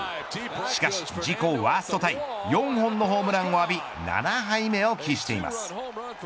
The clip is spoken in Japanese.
しかし、自己ワーストタイ４本のホームランを浴び７敗目を喫しています。